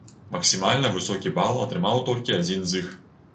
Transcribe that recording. Максімальна высокі бал атрымаў толькі адзін з іх.